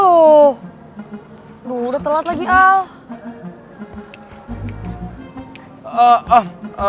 aduh udah telat lagi ah